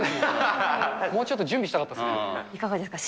もうちょっと準備したかったいかがですか？